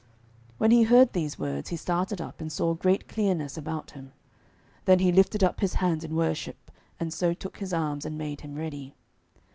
When he heard these words, he started up and saw great clearness about him. Then he lifted up his hand in worship, and so took his arms, and made him ready.